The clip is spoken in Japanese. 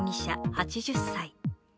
８０歳。